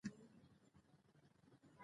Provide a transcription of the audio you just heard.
پېټټ لیکلي چې ودانۍ له ورایه ښکاري.